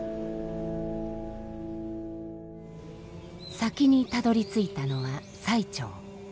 先にたどりついたのは最澄。